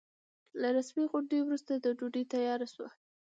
له رسمي غونډې وروسته ډوډۍ تياره شوه.